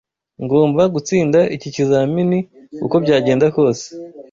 Ngomba gutsinda iki kizamini, uko byagenda kose.